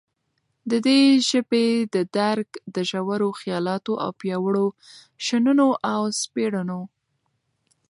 ددي ژبي ددرک دژورو خیالاتو او پیاوړو شننو او سپړنو